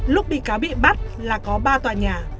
lúc bị cáo bị bắt là có ba tòa nhà